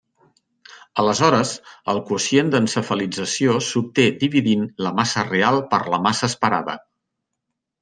Aleshores, el quocient d'encefalització s'obté dividint la massa real per la massa esperada.